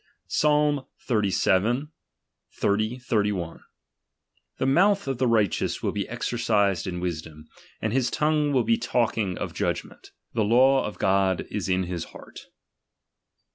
Psalm xxxvii. 30, 31 : The mouth of the righteous will be exercised in wisdom, and his tongue will be talking of judgmeitt : the lam of God is in his heart.